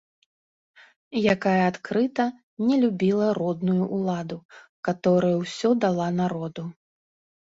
Якая адкрыта не любіла родную ўладу, каторая ўсё дала народу!